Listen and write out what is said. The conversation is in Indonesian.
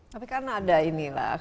tapi kan ada ini lah